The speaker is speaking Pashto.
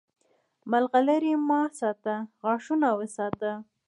مرغلرې مه ساته، غاښونه وساته!